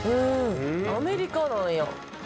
アメリカなんや。